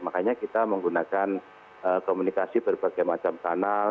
makanya kita menggunakan komunikasi berbagai macam kanal